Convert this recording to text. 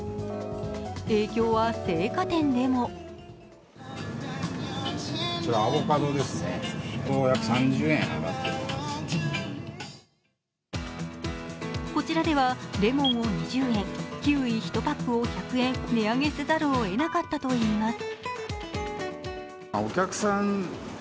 影響は青果店でもこちらではレモンを２０円、キウイ１パックを１００円、値上げせざるをえなかったといいます。